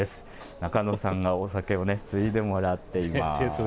ナカノさんがお酒を注いでもらっています。